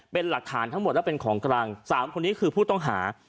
เป็นหลักฐานทั้งหมดและเป็นของกลาง๓คนนี้คือผู้ต้องหา